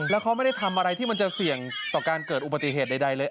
แล้วเขาไม่ได้ทำอะไรที่มันจะเสี่ยงต่อการเกิดอุบัติเหตุใดเลย